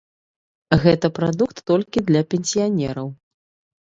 Гэта прадукт толькі для пенсіянераў.